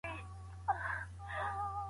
تاسي په ژړا سواست.